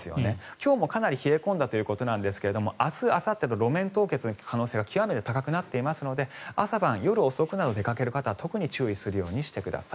今日もかなり冷え込んだということなんですが明日あさってと路面凍結の可能性が極めて高くなっていますので朝晩、夜遅くなど出かける方は特に注意するようにしてください。